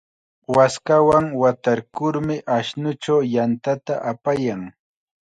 Waskawan watarkurmi ashnuchaw yantata apayan.